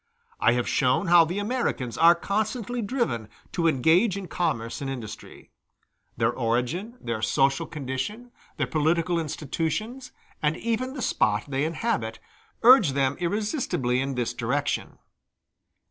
I have shown how the Americans are constantly driven to engage in commerce and industry. Their origin, their social condition, their political institutions, and even the spot they inhabit, urge them irresistibly in this direction.